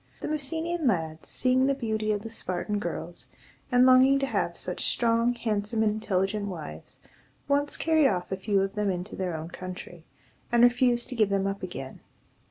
The Messenian lads, seeing the beauty of the Spartan girls, and longing to have such strong, handsome, and intelligent wives, once carried off a few of them into their own country, and refused to give them up again.